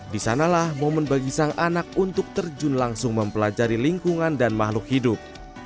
di sanalah momen bagi sang anak untuk terjun langsung mempelajari lingkungan dan makhluk hidup